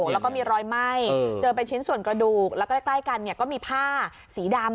แล้วก็มีรอยไหม้เจอเป็นชิ้นส่วนกระดูกแล้วก็ใกล้กันก็มีผ้าสีดำ